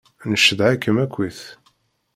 Ncedha-kem akkit.